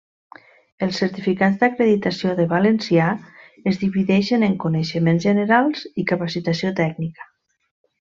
Els certificats d'acreditació de valencià es divideixen en coneixements generals i capacitació tècnica.